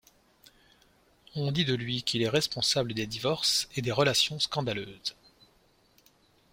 On dit de lui qu'il est responsable des divorces et des relations scandaleuses.